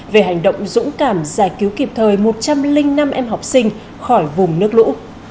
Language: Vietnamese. về hành động dũng cảm giải cứu kịp thời một trăm linh năm em học sinh khỏi vùng nước lũ